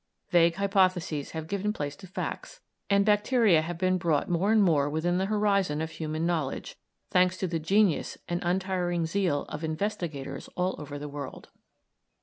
Vague hypotheses have given place to facts, and bacteria have been brought more and more within the horizon of human knowledge, thanks to the genius and untiring zeal of investigators all over the world.